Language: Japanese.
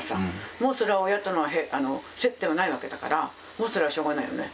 もうそれは親との接点はないわけだからもうそれはしょうがないよね。